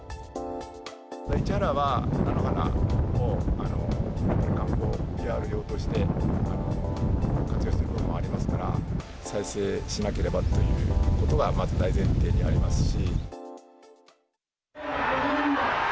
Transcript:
市原は、菜の花を観光ＰＲ用として、活用しているのもありますから、再生しなければということは、まず大前提にありますし。